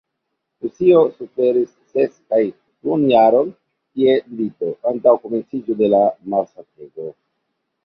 Rusio suferis ses kaj duonjaron je milito, antaŭ komenciĝo de la malsatego.